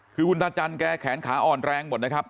คือคุณตาจันแกแขนขาอ่อนแรงหมดนะครับ